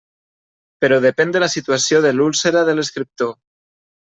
Però depén de la situació de l'úlcera de l'escriptor.